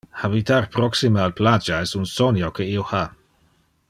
Habitar proxime al plagia es un sonio que io ha.